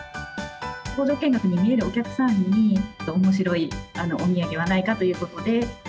工場見学に見えるお客さんに、おもしろいお土産はないかということで。